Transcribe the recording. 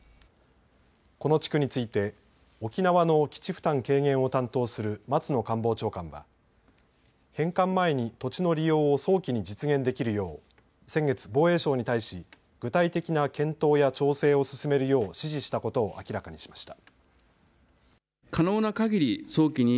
この地区について沖縄の基地負担軽減を担当する松野官房長官は返還前に土地の利用を早期に実現できるよう先月、防衛省に対し具体的な検討や調整を進めるよう指示したことを明らかにしました。